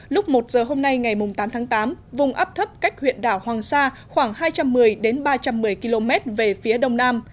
lúc một giờ hôm nay ngày tám tháng tám vùng áp thấp cách huyện đảo hoàng sa khoảng hai trăm một mươi ba trăm một mươi km về phía đông nam